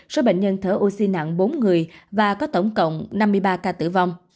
số bệnh nhân thở oxy nặng bốn người và có tổng cộng năm mươi ba ca tử vong